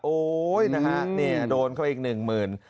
โอ๊ยโดนเข้าไปอีก๑๐๐๐๐